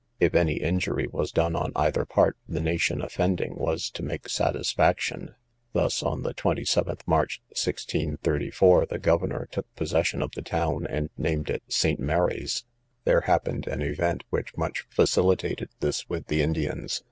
If any injury was done on either part, the nation offending was to make satisfaction. Thus, on the 27th March, 1634, the governor took possession of the town, and named it St. Mary's. There happened an event which much facilitated this with the Indians.